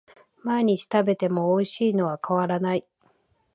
毎日食べてもおいしいのは変わらない